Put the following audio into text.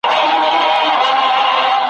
خوار پر لاهور هم خوار وي `